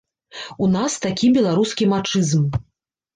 У нас такі беларускі мачызм.